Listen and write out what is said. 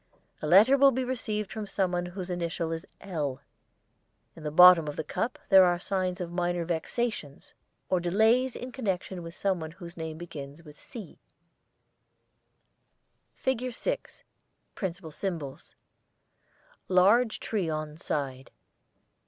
A letter will be received from someone whose initial is 'L.' In the bottom of the cup there are signs of minor vexations or delays in connection with someone whose name begins with 'C.' [ILLUSTRATION 6] FIG. 6 Principal Symbols: Large tree on side.